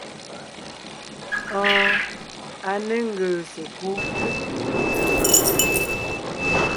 Oon, a ne ńgèè sekú.